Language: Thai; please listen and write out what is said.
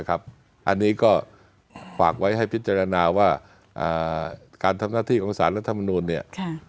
อันนี้ก็ฝากไว้ให้พิจารณาว่าการทำหน้าที่ของสารรัฐมนูลเนี่ย